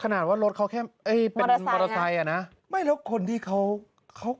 ขนาดว่ารถเขาแค่เป็นมอเตอร์ไซค์นะไม่แล้วคนที่เขา